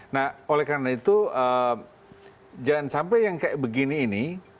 nah oleh karena itu jangan sampai yang kayak begini ini